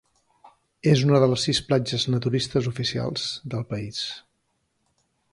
És una de les sis platges naturistes oficials del país.